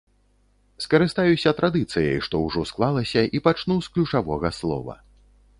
Скарыстаюся традыцыяй, што ўжо склалася, і пачну з ключавога слова.